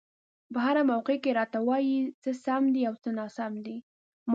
په هره موقع کې راته وايي څه سم دي او څه ناسم.